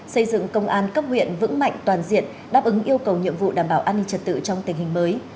xây dựng công an cấp huyện vững mạnh toàn diện đáp ứng yêu cầu nhiệm vụ đảm bảo an ninh trật tự trong tình hình mới